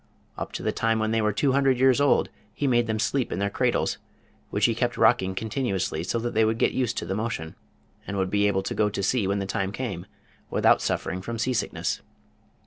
Up to the time when they were two hundred years old he made them sleep in their cradles, which he kept rocking continuously so that they would get used to the motion, and would be able to go to sea when the time came without suffering from sea sickness.